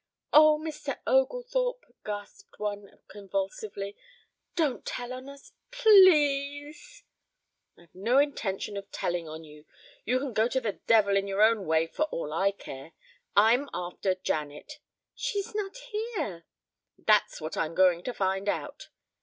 "Oh, Mr. Oglethorpe," gasped one convulsively. "Don't tell on us, p l e a s e." "I've no intention of telling on you. You can go to the devil in your own way for all I care. I'm after Janet " "She's not here " "That's what I'm going to find out."